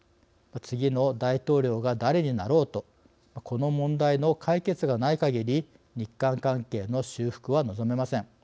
次の大統領が誰になろうとこの問題の解決がないかぎり日韓関係の修復は望めません。